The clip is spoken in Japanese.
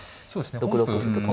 そうですね本譜